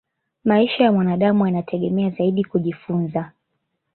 maisha ya mwanadamu yanategemea zaidi kujifunza